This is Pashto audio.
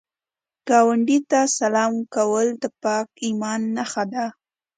ګاونډي ته سلام کول د پاک ایمان نښه ده